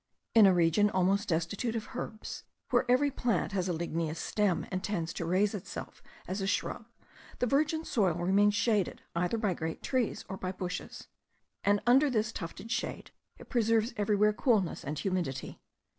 In a region almost destitute of herbs, where every plant has a ligneous stem, and tends to raise itself as a shrub, the virgin soil remains shaded either by great trees, or by bushes; and under this tufted shade it preserves everywhere coolness and humidity.